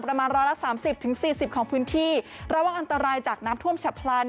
ประมาณร้อยละสามสิบถึงสี่สิบของพื้นที่ระวังอันตรายจากน้ำท่วมฉับพลัน